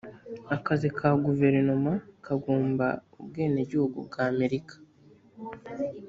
akazi ka guverinoma kagomba ubwenegihugu bw amerika